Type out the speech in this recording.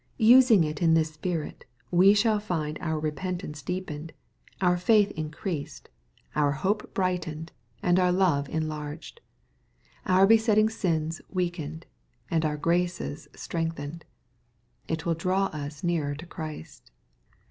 Using it in thfe spirit, we shall find our repentance deepened, our faith increased, our hope Aatthew, chap. XXVI. 859 brightened^ and our love enlarged,— our besetting sins weakened, and our graces strengthened. It will draw us nearer to Christ.